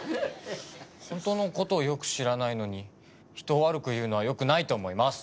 本当の事をよく知らないのに人を悪く言うのはよくないと思います。